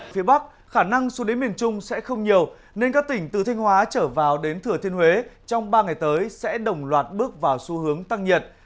phía bắc khả năng xuống đến miền trung sẽ không nhiều nên các tỉnh từ thanh hóa trở vào đến thừa thiên huế trong ba ngày tới sẽ đồng loạt bước vào xu hướng tăng nhiệt